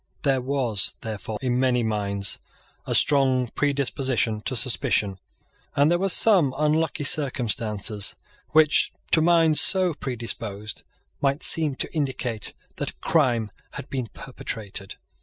There was, therefore, in many minds, a strong predisposition to suspicion; and there were some unlucky circumstances which, to minds so predisposed, might seem to indicate that a crime had been perpetrated.